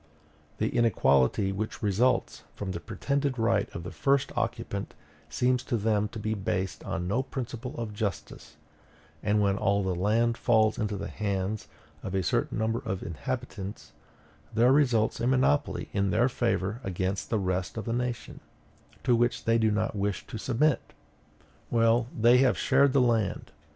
The inequality which results from the pretended right of the first occupant seems to them to be based on no principle of justice; and when all the land falls into the hands of a certain number of inhabitants, there results a monopoly in their favor against the rest of the nation, to which they do not wish to submit." Well, they have shared the land.